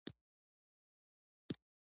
برطرف نه کړي.